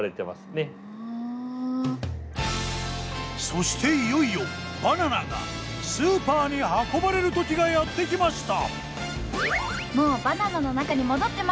そしていよいよバナナがスーパーに運ばれる時がやって来ました！